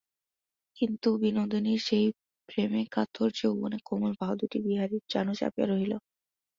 কিন্তু বিনোদিনীর সেই প্রেমে-কাতর যৌবনে-কোমল বাহুদুটি বিহারীর জানু চাপিয়া রহিল।